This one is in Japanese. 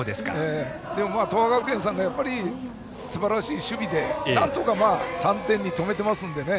でも、東亜学園さんはやっぱりすばらしい守備でなんとか３点に止めていますので。